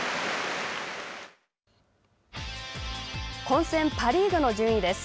混戦パ・リーグの順位です。